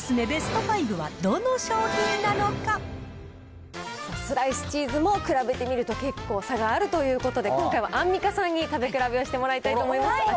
ベスト５は、スライスチーズも比べてみると、結構差があるということで、今回はアンミカさんに食べ比べをしてもらいたいと思います。